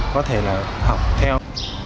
có thể là học theo